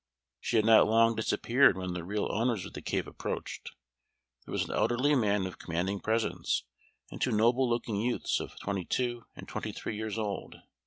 She had not long disappeared when the real owners of the cave approached. These were an elderly man of commanding presence and two noble looking youths of twenty two and twenty three years old.